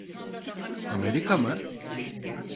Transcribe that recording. Amerika mı?